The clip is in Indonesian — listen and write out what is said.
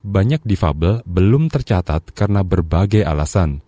banyak difabel belum tercatat karena berbagai alasan